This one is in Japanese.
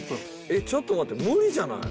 えっちょっと待って無理じゃない？